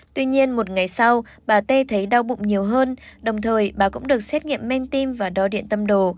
tuy nhiên một ngày sau bà tê thấy đau bụng nhiều hơn đồng thời bà cũng được xét nghiệm men tim và đo điện tâm đồ